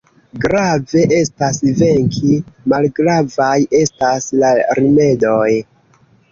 Grave estas venki, malgravaj estas la rimedoj.